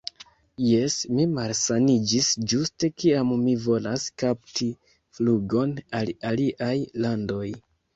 Jes, mi malsaniĝis ĝuste kiam mi volas kapti flugon al aliaj landoj